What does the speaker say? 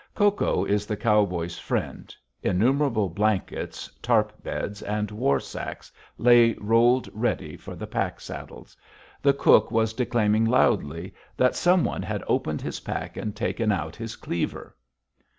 Cocoa is the cowboy's friend. Innumerable blankets, "tarp" beds, and war sacks lay rolled ready for the pack saddles. The cook was declaiming loudly that some one had opened his pack and taken out his cleaver.